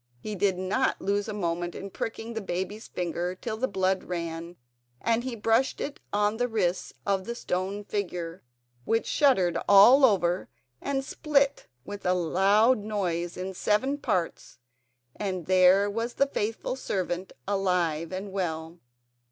He did not lose a moment in pricking the baby's finger till the blood ran, and he brushed it on the wrists of the stone figure, which shuddered all over and split with a loud noise in seven parts and there was the faithful servant alive and well.